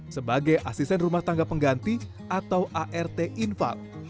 sebagai asisten rumah tangga pengganti atau art infal